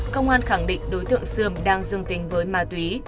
công an khẳng định đối tượng sươm đang dương tính với ma túy